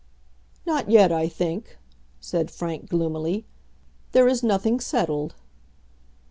"Not yet, I think," said Frank, gloomily. "There is nothing settled."